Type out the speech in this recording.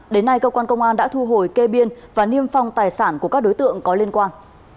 đến nay cơ quan công an đã thu hồi kê biên và niêm phong tài sản của các đối tượng có liên quan